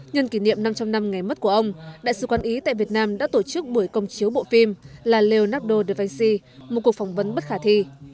nhân kỷ niệm năm trăm linh năm ngày mất của ông đại sứ quán ý tại việt nam đã tổ chức buổi công chiếu bộ phim là leonardo da vici một cuộc phỏng vấn bất khả thi